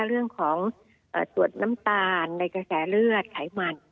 เรื่องของตรวจน้ำตาลในกระแสเลือดไขมัน